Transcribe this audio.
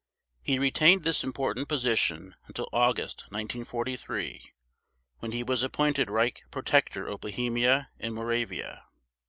He retained this important position until August 1943, when he was appointed Reich Protector of Bohemia and Moravia.